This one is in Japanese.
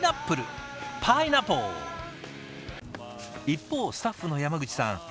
一方スタッフの山口さん